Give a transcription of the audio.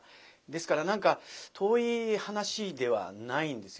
ですから何か遠い話ではないんですよね。